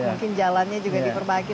mungkin jalannya juga diperbagi